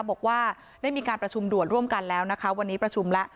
บอกว่าได้มีการประชุมด่วนร่วมกันแล้วนะคะวันนี้ประชุมแล้ว